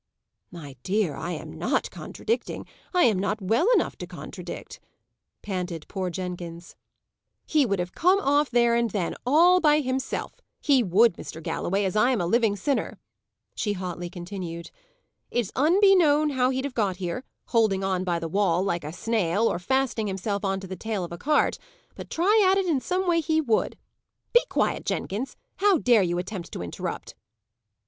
"My dear, I am not contradicting; I am not well enough to contradict," panted poor Jenkins. "He would have come off there and then, all by himself: he would, Mr. Galloway, as I am a living sinner!" she hotly continued. "It's unbeknown how he'd have got here holding on by the wall, like a snail, or fastening himself on to the tail of a cart; but try at it, in some way, he would! Be quiet, Jenkins! How dare you attempt to interrupt!"